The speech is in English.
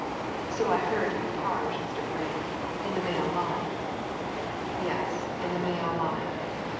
^ So I heard from Parge, Mr. Prain. In the male line." "Yes, in the male line.